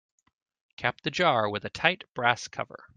Cap the jar with a tight brass cover.